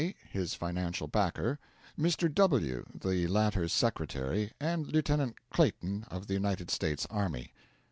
his financial backer; Mr. W., the latter's secretary; and Lieutenant Clayton, of the United States Army.